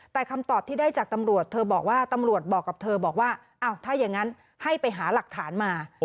แต่คำตอบที่ได้จากตำรวจเธอบอกว่าตำรวจบอกกับเธอบอกว่าอ้าวถ้าอย่างนั้นให้ไปหาหลักฐานมา